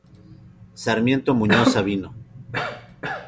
Sarmiento Muñoz Sabino.